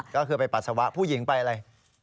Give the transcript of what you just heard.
ก็คือไปปัสสาวะผู้หญิงไปอะไร